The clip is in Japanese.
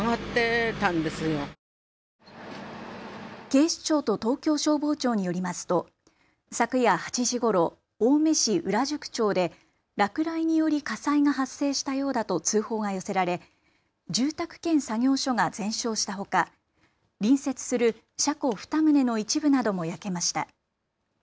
警視庁と東京消防庁によりますと昨夜８時ごろ青梅市裏宿町で落雷により火災が発生したようだと通報が寄せられ住宅兼作業所が全焼したほか隣接する車庫２棟の一部なども焼けました。